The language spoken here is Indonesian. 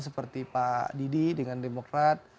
seperti pak didi dengan demokrat